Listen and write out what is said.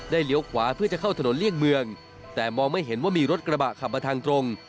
เลี้ยวขวาเพื่อจะเข้าถนนเลี่ยงเมืองแต่มองไม่เห็นว่ามีรถกระบะขับมาทางตรง